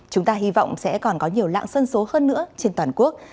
chúng ta hy vọng sẽ còn có nhiều lạng sân số hơn nữa trên toàn quốc